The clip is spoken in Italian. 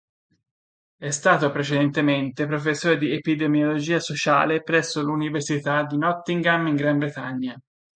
È stato precedentemente professore di epidemiologia sociale presso l'Università di Nottingham in Gran Bretagna.